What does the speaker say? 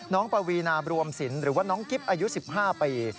ปวีนาบรวมสินหรือว่าน้องกิ๊บอายุ๑๕ปี